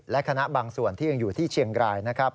และคณะบางส่วนที่ยังอยู่ที่เชียงรายนะครับ